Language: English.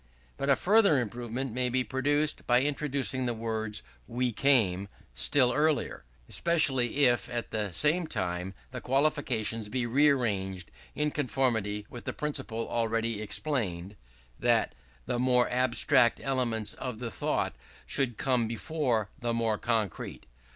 But a further improvement may be produced by introducing the words "we came" still earlier; especially if at the same time the qualifications be rearranged in conformity with the principle already explained, that the more abstract elements of the thought should come before the more concrete.